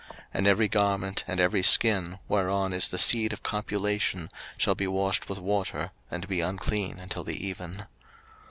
03:015:017 And every garment, and every skin, whereon is the seed of copulation, shall be washed with water, and be unclean until the even.